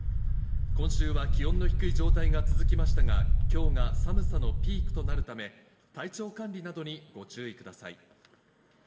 今週は気温の低い状態が続きましたが、今日が寒さのピークとなるため、体調管理などにご注意ください。